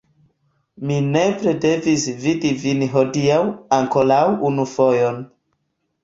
Mi nepre devis vidi vin hodiaŭ ankoraŭ unu fojon.